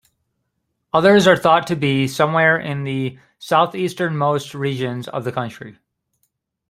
Others are thought to be somewhere in the southeastern-most regions of the country.